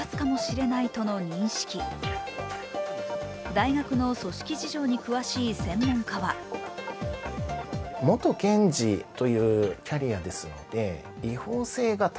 大学の組織事情に詳しい専門家は３つ目の疑問。